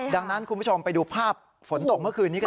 ดังนั้นคุณผู้ชมไปดูภาพฝนตกเมื่อคืนนี้กัน